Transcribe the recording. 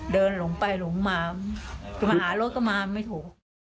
เดินหลงไปหลงมาถึงมาหารถก็มาไม่ถูก